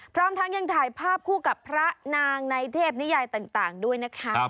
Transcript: พร้อมทั้งยังถ่ายภาพคู่กับพระนางในเทพนิยายต่างด้วยนะคะ